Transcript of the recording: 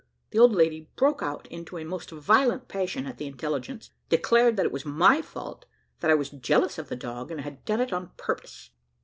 The old lady broke out into a most violent passion at the intelligence, declared that it was my fault, that I was jealous of the dog, and had done it on purpose.